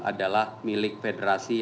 adalah milik federasi